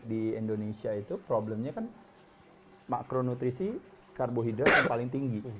di indonesia itu problemnya kan makronutrisi karbohidrat yang paling tinggi